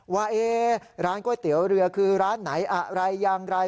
ว่าร้านก๋วยเตี๋ยวเรือคือร้านไหนอะไรอย่างไร